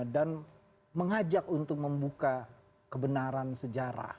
dan mengajak untuk membuka kebenaran sejarah